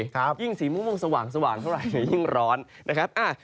ยิ่งสีม่วงสว่างเท่าไหร่ยิ่งร้อนนะครับ